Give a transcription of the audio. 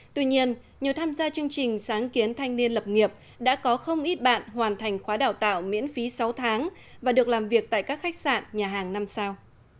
tuy nhiên nhờ tham gia chương trình sáng kiến thanh niên lập nghiệp đã có không ít bạn hoàn thành khóa đào tạo miễn phí sáu tháng và được làm việc tại các khách sạn nhà hàng năm sao